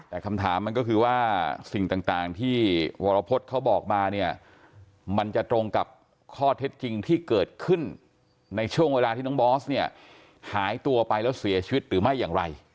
แต่คำถามมันก็คือว่าสิ่งต่างที่วรพฤษเขาบอกมาเนี่ยมันจะตรงกับข้อเท็จจริงที่เกิดขึ้นในช่วงเวลาที่น้องบอสเนี่ยหายตัวไปแล้วเสียชีวิตหรือไม่อย่างไร